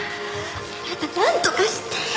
あなたなんとかしてよ